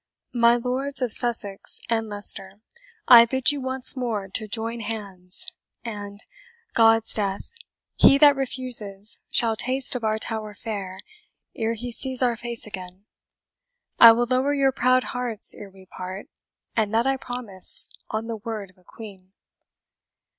My Lords of Sussex and Leicester, I bid you once more to join hands; and, God's death! he that refuses shall taste of our Tower fare ere he sees our face again. I will lower your proud hearts ere we part, and that I promise, on the word of a Queen!"